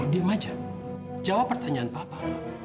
diem aja jawab pertanyaan papa